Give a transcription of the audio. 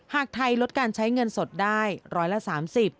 หากไทยลดการใช้เงินสดได้ร้อยละ๓๐